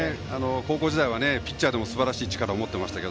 高校時代はピッチャーでもすばらしい力を持っていましたが